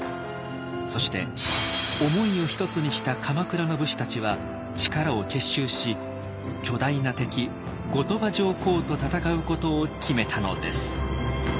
そして思いをひとつにした鎌倉の武士たちは力を結集し巨大な敵後鳥羽上皇と戦うことを決めたのです。